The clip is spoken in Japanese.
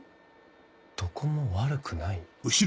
どこも悪くない？